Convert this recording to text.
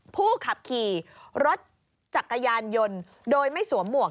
ผู้ขับขี่รถจักรยานยนต์โดยไม่สวมหมวก